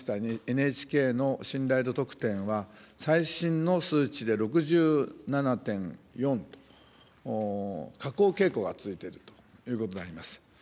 ＮＨＫの信頼度得点は、最新の数値で６７．４と、下降傾向が続いているということであります。